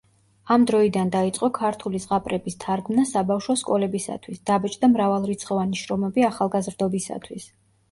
ამ დროიდან დაიწყო ქართული ზღაპრების თარგმნა საბავშვო სკოლებისათვის, დაბეჭდა მრავალრიცხოვანი შრომები ახალგაზრდობისათვის.